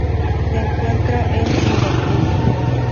Se encuentran en Singapur.